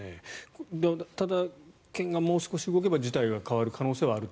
ただ、県がもう少し動けば事態が変わる可能性はあると。